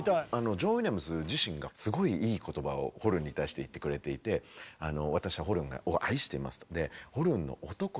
ジョン・ウィリアムズ自身がすごいいい言葉をホルンに対して言ってくれていてっていうね